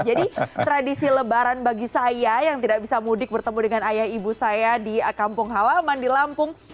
jadi tradisi lebaran bagi saya yang tidak bisa mudik bertemu dengan ayah ibu saya di kampung halaman di lampung